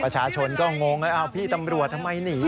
ประชาชนก็งงแล้วพี่ตำรวจทำไมหนี